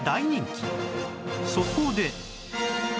そこで